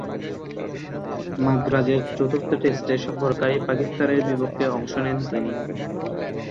মাদ্রাজের চতুর্থ টেস্টে সফরকারী পাকিস্তানের বিপক্ষে অংশ নেন তিনি।